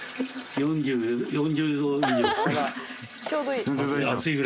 ４０℃以上？